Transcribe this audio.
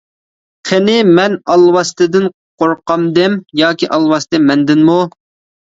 -قېنى مەن ئالۋاستىدىن قورقامدىم ياكى ئالۋاستى مەندىنمۇ.